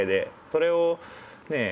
それをねえ